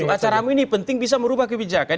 upacaramu ini penting bisa merubah kebijakan